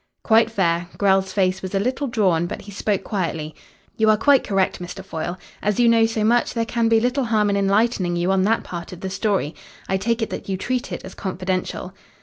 "Quite fair." Grell's face was a little drawn, but he spoke quietly. "You are quite correct, Mr. Foyle. As you know so much, there can be little harm in enlightening you on that part of the story. I take it that you treat it as confidential."